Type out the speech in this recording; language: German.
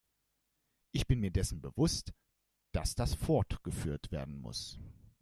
Ich bin mir dessen bewusst, dass das fortgeführt werden muss.